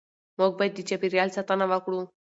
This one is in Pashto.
موږ باید د چاپېریال ساتنه وکړو